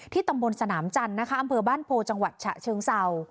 ตำบลสนามจันทร์นะคะอำเภอบ้านโพจังหวัดฉะเชิงเศร้า